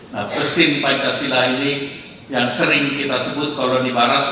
nah mesin pancasila ini yang sering kita sebut koloni barat